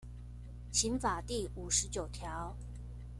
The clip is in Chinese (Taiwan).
刑法第五十九條